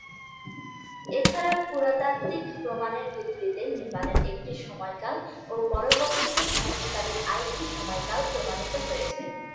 এছাড়া পুরাতাত্ত্বিক প্রমাণের ভিত্তিতে নির্মাণের একটি সময়কাল ও পরবর্তিতে সংস্কারের আরেকটি সময়কাল প্রমাণিত হয়েছে।